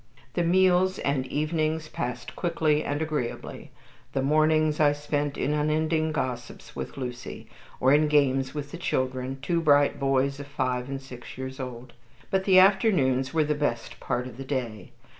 The meals and evenings passed quickly and agreeably; the mornings I spent in unending gossips with Lucy, or in games with the children, two bright boys of five and six years old. But the afternoons were the best part of the day.